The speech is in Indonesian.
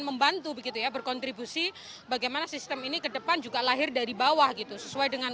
membantu begitu ya berkontribusi bagaimana sistem ini ke depan juga lahir dari bawah gitu sesuai dengan